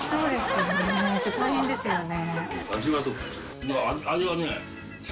大変ですよね。